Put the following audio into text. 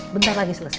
bentar lagi selesai